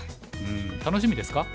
楽しみですか？